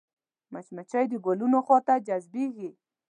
مچمچۍ د ګلونو خوا ته جذبېږي